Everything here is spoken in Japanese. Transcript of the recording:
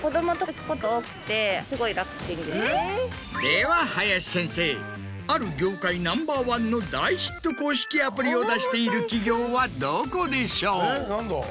では林先生ある業界ナンバーワンの大ヒット公式アプリを出している企業はどこでしょう？